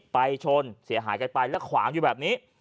ชนเสียหายกันไปแล้วขวางอยู่แบบนี้